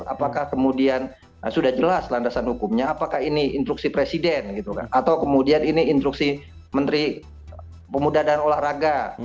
apakah kemudian sudah jelas landasan hukumnya apakah ini instruksi presiden gitu kan atau kemudian ini instruksi menteri pemuda dan olahraga